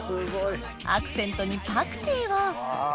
アクセントにパクチーをうわ